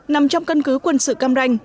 nằm trong cân cứ quân sự cam ranh